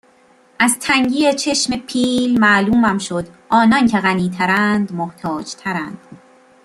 از تنگی چشم پیل معلومم شد آنان که غنی ترند محتاج ترند